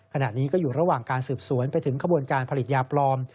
ขณะนี้ก็อยู่ระหว่างการสืบสวนไปถึงขบวนการผลิตยาปลอม